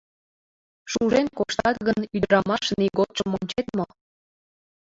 Шужен коштат гын, ӱдырамашын ийготшым ончет мо?